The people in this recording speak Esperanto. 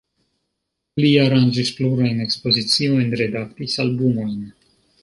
Li aranĝis plurajn ekspoziciojn, redaktis albumojn.